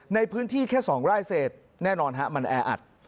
ในพื้นที่แค่๒ไร่เศษแน่นอนฮะมันแออัด